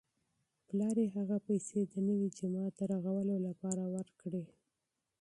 پلار یې هغه پیسې د نوي جومات د رغولو لپاره ورکړې.